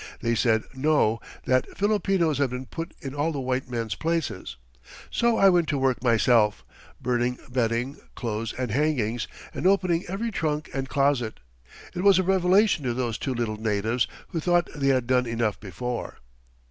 They said no, that Filipinos had been put in all the white men's places. So I went to work myself, burning bedding, clothes and hangings, and opening every trunk and closet. It was a revelation to those two little natives, who thought they had done enough before."